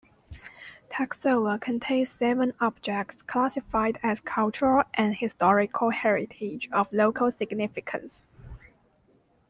Toksovo contains seven objects classified as cultural and historical heritage of local significance.